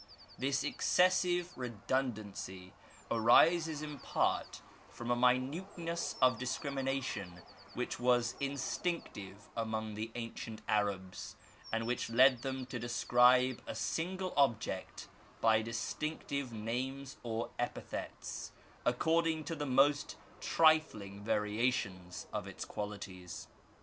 This excessive redundancy arises in part from a minuteness of dis crimination which was instinctive among the ancient Arabs, and which led them to describe a single object by distinctive ,, names or epithets, according to the most trifling variations of its qualities.